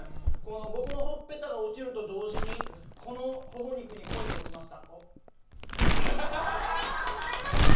僕のほっぺたが落ちると同時に、このほほ肉に恋に落ちました。